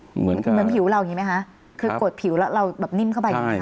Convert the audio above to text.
เหมือนผิวเราอย่างนี้ไหมคะคือกดผิวแล้วเราแบบนิ่มเข้าไปใช่ไหมคะ